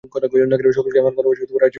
সকলকে আমার ভালবাসা ও আশীর্বাদ জানিও।